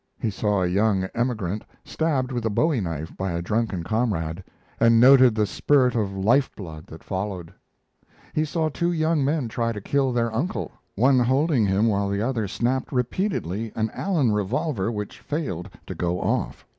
He saw a young emigrant stabbed with a bowie knife by a drunken comrade, and noted the spurt of life blood that followed; he saw two young men try to kill their uncle, one holding him while the other snapped repeatedly an Allen revolver which failed to go off.